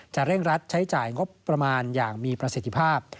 เร่งรัดใช้จ่ายงบประมาณอย่างมีประสิทธิภาพ